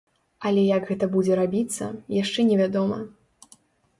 Але як гэта будзе рабіцца, яшчэ не вядома.